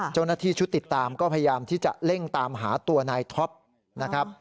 เจ้าหน้าที่ชุดติดตามก็พยายามที่จะเร่งตามหาตัวนายท็อปนะครับ